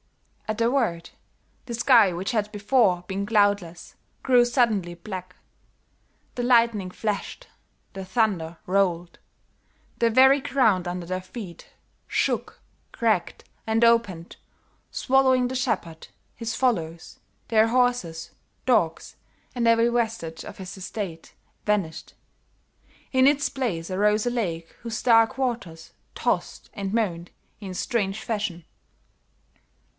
"At the word, the sky, which had before been cloudless, grew suddenly black; the lightning flashed; the thunder rolled; the very ground under their feet, shook, cracked and opened, swallowing the shepherd, his followers, their horses, dogs, and every vestige of the estate vanished. In its place arose a lake whose dark waters tossed and moaned in strange fashion.